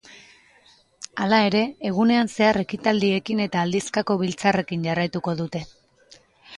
Hala ere, egunean zehar ekitaldiekin eta aldizkako biltzarrekin jarraituko dute.